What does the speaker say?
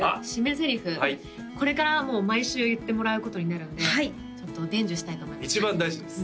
ゼリフこれから毎週言ってもらうことになるんでちょっと伝授したいと思います